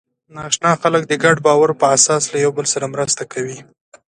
ناآشنا خلک د ګډ باور په اساس له یوه بل سره مرسته کوي.